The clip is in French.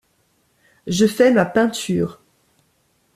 Je fais ma peinture.